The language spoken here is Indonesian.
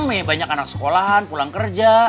kamu ya banyak anak sekolahan pulang kerja